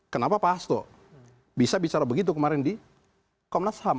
kenapa pak hasto bisa bicara begitu kemarin di komnas ham